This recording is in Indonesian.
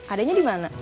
adanya di mana